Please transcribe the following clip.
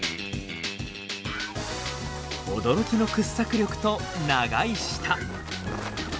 驚きの掘削力と長い舌。